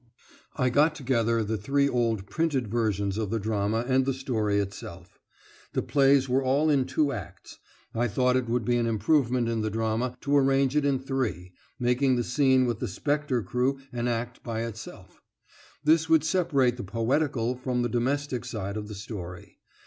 I got together the three old printed versions of the drama and the story itself. The plays were all in two acts. I thought it would be an improvement in the drama to arrange it in three, making the scene with the spectre crew an act by itself. This would separate the poetical from the domestic side of the story.